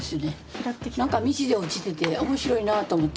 何か道で落ちてて面白いなと思って。